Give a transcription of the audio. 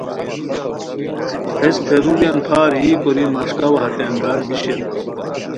ہیس پھیروڑیان پھار یی کوری مݰکاوا ہتے انگار بی شیر